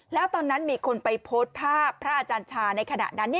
แล้วตอนนั้นมีคนไปโพสต์ภาพพระอาจารย์ชาในขณะนั้น